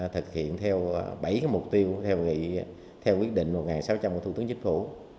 thực hiện theo bảy mục tiêu theo quyết định một nghìn sáu trăm linh của thủ tướng chính phủ